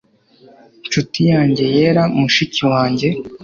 Nshuti yanjye yera mushiki wanjye